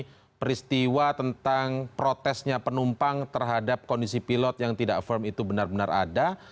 jadi peristiwa tentang protesnya penumpang terhadap kondisi pilot yang tidak firm itu benar benar ada